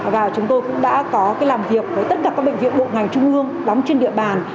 và chúng tôi cũng đã có làm việc với tất cả các bệnh viện bộ ngành trung ương đóng trên địa bàn